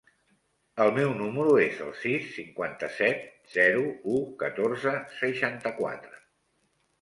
El meu número es el sis, cinquanta-set, zero, u, catorze, seixanta-quatre.